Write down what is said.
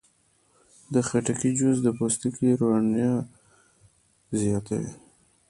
د خټکي جوس د پوستکي روڼتیا زیاتوي.